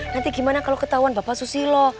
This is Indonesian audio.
nanti gimana kalau ketahuan bapak susilo